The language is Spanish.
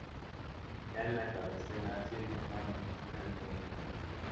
Ya en la cabecera si es notable la deforestación.